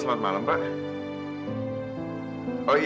aku butuh kamu di samping aku juli